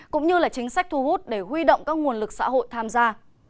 cũng như là chính sách thu hút để huy động các nguồn lực xã hội tham gia